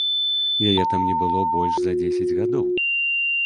Яе там не было больш за дзесяць гадоў.